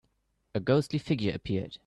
A ghostly figure appeared.